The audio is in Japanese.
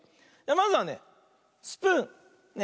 まずはね「スプーン」。ね。